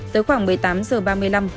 tới khoảng một mươi tám h ba mươi năm